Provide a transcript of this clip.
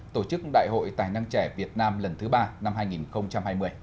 tổ chức đại hội tài năng trẻ việt nam lần thứ ba năm hai nghìn hai mươi